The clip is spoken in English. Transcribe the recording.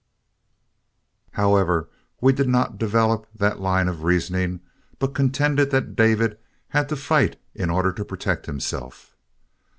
However, we did not develop that line of reasoning but contended that David had to fight in order to protect himself.